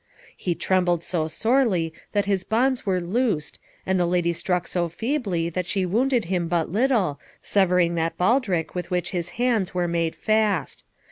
He trembled so sorely that his bonds were loosed, and the lady struck so feebly that she wounded him but little, severing that baldrick with which his hands were made fast.